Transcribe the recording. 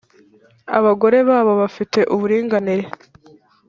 Abagore babo bafite uburinganire.